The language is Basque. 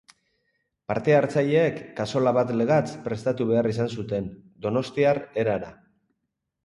Parte-hartzaileek kazola bat legatz prestatu behar izan zuten, donostiar erara.